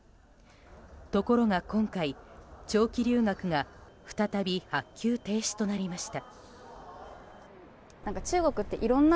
ところが今回、長期留学が再び発給停止となりました。